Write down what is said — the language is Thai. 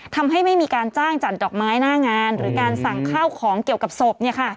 ทำให้ไม่มีการจ้างจัดดอกไม้หน้างานหรือการสั่งข้าวของเกี่ยวกับศพ